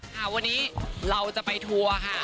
ค่ะวันนี้เราจะไปทัวร์ค่ะ